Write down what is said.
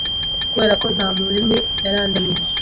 Kuberako ntamuremye yarandemye